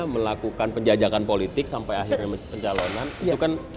melakukan penjajakan politik sampai akhirnya menjalonkan